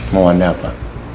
mau anda apa